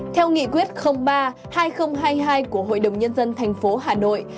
theo nghị quyết ba hai nghìn hai mươi hai của hội đồng nhân dân thành phố hà nội